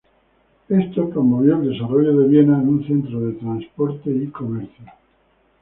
Esto promovió el desarrollo de Viena en un centro de transporte y comercio.